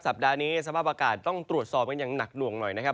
สัปดาห์นี้สภาพอากาศต้องตรวจสอบกันอย่างหนักหน่วงหน่อยนะครับ